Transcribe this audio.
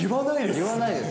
言わないでしょ。